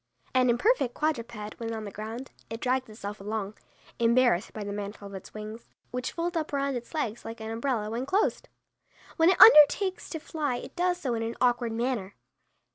An imperfect quadruped when on the ground, it drags itself along, embarrassed by the mantle of its wings, which fold up around its legs like an umbrella when closed. When it undertakes to fly it does so in an awkward manner.